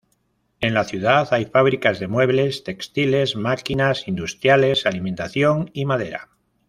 En la ciudad hay fabricas de muebles, textiles, maquinas industriales, alimentación y madera.